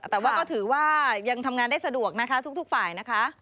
แต่ว่าก็ถือว่ายังทำงานได้สะดวกนะคะทุกฝ่ายนะคะ